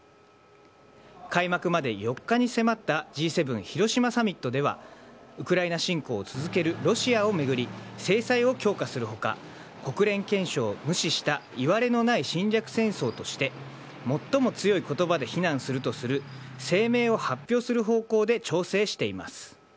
開幕まで４日に迫ったＧ７広島サミットでは、ウクライナ侵攻を続けるロシアを巡り、制裁を強化するほか、国連憲章を無視したいわれのない侵略戦争として、最も強いことばで非難するとする声明を発表する方向で調整しています。